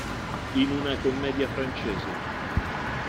In una commedia francese.